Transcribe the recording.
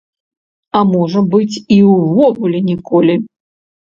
А можа быць, і ўвогуле ніколі.